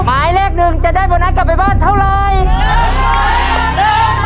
หมายเลขหนึ่งจะได้โบนัสกลับไปบ้านเท่าไร